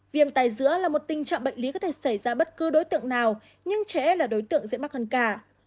viêm tai dữa là một tình trạng bệnh lý có thể xảy ra bất cứ đối tượng nào nhưng trẻ là đối tượng dễ mắc hơn cả